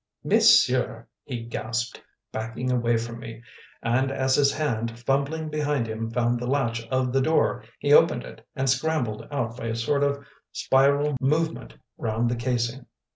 "Monsieur!" he gasped, backing away from me, and as his hand, fumbling behind him, found the latch of the door, he opened it, and scrambled out by a sort of spiral movement round the casing.